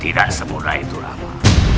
tidak semudah itu rafa